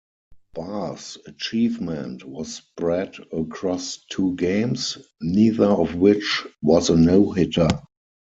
Barr's achievement was spread across two games, neither of which was a no-hitter.